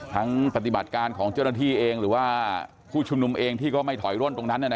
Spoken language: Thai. ปฏิบัติการของเจ้าหน้าที่เองหรือว่าผู้ชุมนุมเองที่ก็ไม่ถอยร่นตรงนั้น